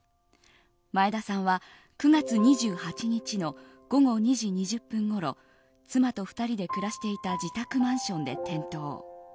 前田さんは９月２８日の午後２時２０分ごろ妻と２人で暮らしていた自宅マンションで転倒。